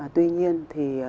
tuy nhiên thì